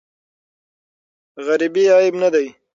غریبې عیب نه دی.